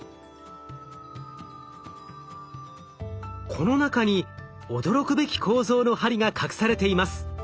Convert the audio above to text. この中に驚くべき構造の針が隠されています。